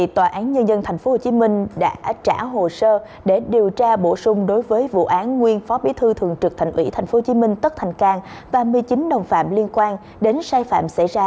tòa án nhân dân tp hcm đã trả hồ sơ để điều tra bổ sung đối với vụ án nguyên phó bí thư thường trực thành ủy tp hcm tất thành cang và một mươi chín đồng phạm liên quan đến sai phạm xảy ra